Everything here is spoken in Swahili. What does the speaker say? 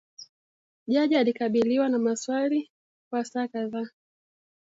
Jaji alikabiliwa na maswali kwa saa kadhaa